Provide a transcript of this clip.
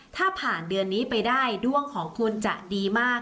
ถ้าผ่านเดือนนี้ไปได้ด้วงของคุณจะดีมาก